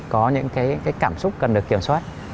có những cái cảm xúc cần được kiểm soát